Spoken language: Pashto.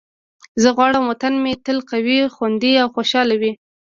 زه غواړم وطن مې تل قوي، خوندي او خوشحال وي.